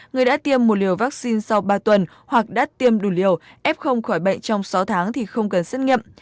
người đã tiêm một liều vaccine sau ba tuần hoặc đã tiêm đủ liều f khỏi bệnh trong sáu tháng thì không cần xét nghiệm